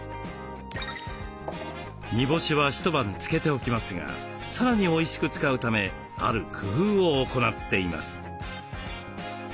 煮干しは一晩つけておきますがさらにおいしく使うためある工夫を行っています。